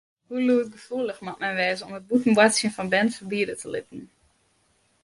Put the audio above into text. Hoe lûdgefoelich moat men wêze om it bûten boartsjen fan bern ferbiede te litten?